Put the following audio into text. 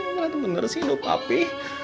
bener bener sih hidup papi